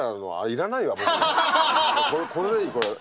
これでいいこれ。